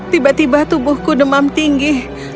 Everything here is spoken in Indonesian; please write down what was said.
tiba tiba tubuhku demam tinggi